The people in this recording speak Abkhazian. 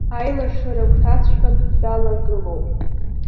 Аилашыра агәҭаҵәҟьа далагылоуп.